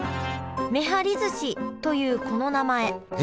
めはりずしというこの名前